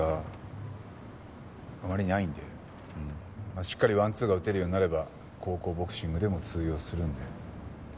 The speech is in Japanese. まあしっかりワンツーが打てるようになれば高校ボクシングでも通用するんで。